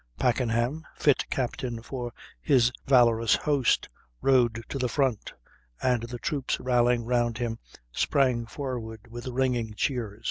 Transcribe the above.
Packenham, fit captain for his valorous host, rode to the front, and the troops, rallying round him, sprang forward with ringing cheers.